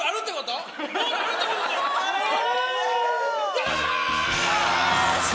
やった！